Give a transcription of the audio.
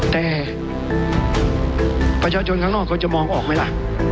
แต่ประชาชนข้างนอกเขาจะมองออกไหมล่ะ